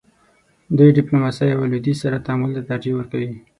دوی ډیپلوماسۍ او لویدیځ سره تعامل ته ترجیح ورکوي.